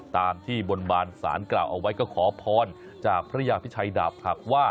ตามที่บนบานสารกล่าวเอาไว้ก็ขอพรจากพระยาพิชัยดาบหักว่า